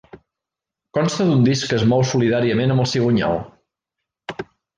Consta d'un disc que es mou solidàriament amb el cigonyal.